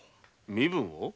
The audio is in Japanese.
身分を？